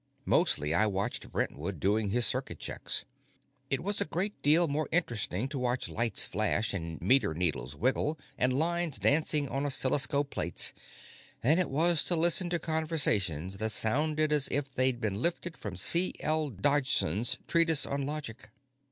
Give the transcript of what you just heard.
Mostly, I watched Brentwood doing his circuit checks; it was a great deal more interesting to watch lights flash and meter needles wiggle and lines dancing on oscilloscope plates than it was to listen to conversations that sounded as if they'd been lifted from C. L. Dodgson's treatise on logic.